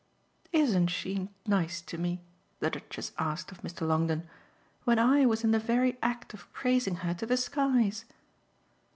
"Isn't she nice to me," the Duchess asked of Mr. Longdon, "when I was in the very act of praising her to the skies?"